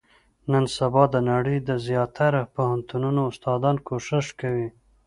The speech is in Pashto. نن سبا، د نړۍ د زیاتره پوهنتونو استادان، کوښښ کوي.